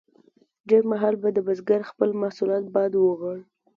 ډیر مهال به د بزګر خپل محصولات باد وړل.